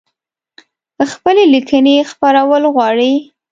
خپلي لیکنۍ خپرول غواړی؟